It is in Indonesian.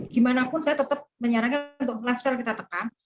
gimanapun saya tetap menyarankan untuk lifestyle kita tekan